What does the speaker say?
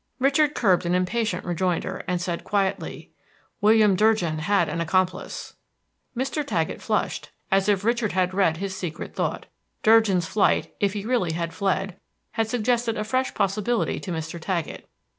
Richard curbed an impatient rejoinder, and said quietly, "William Durgin had an accomplice." Mr. Taggett flushed, as if Richard had read his secret thought. Durgin's flight, if he really had fled, had suggested a fresh possibility to Mr. Taggett.